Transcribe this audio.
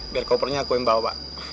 biar kopernya aku embah pak